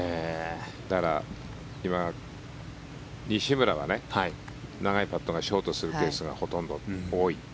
だから今、西村は長いパットがショートするケースがほとんど多い。